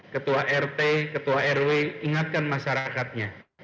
ketua rt ketua rw ingatkan masyarakatnya